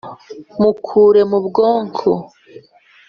mukure mu bwonko